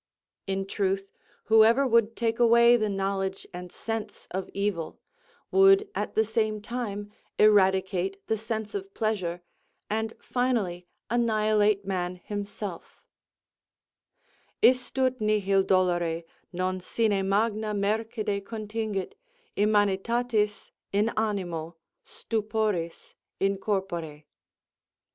In truth, whoever would take away the knowledge and sense of evil, would at the same time eradicate the sense of pleasure, and finally annihilate man himself: _Istud nihil dolere, non sine magnâ mercede contingit, immanitatis in animo, stuporis in corpore.